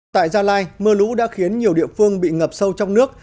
tại gia lai mưa lũ đã khiến nhiều địa phương bị ngập sâu trong nước